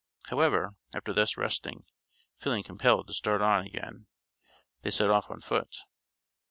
However, after thus resting, feeling compelled to start on again, they set off on foot.